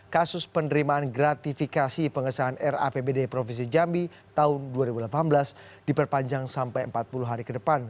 kasus penerimaan gratifikasi pengesahan rapbd provinsi jambi tahun dua ribu delapan belas diperpanjang sampai empat puluh hari ke depan